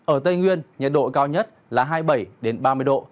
ở tây nguyên nhiệt độ cao nhất là hai mươi bảy ba mươi độ